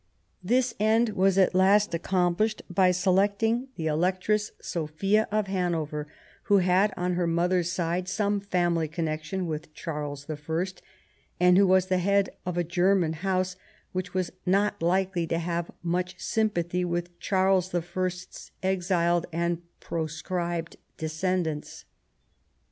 This end was at last accomplished by selecting the Electress Sophia of Hanover, who had on her mother's side some family connection with Charles the First, and who was the head of a German house which was not likely to have much sympathy with Charles the First's exiled and proscribed descendants.